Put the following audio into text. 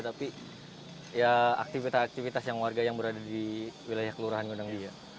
tapi ya aktivitas aktivitas yang warga yang berada di wilayah kelurahan gondang dia